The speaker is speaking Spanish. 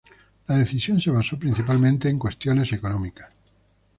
La decisión se basó, principalmente por cuestiones económicas.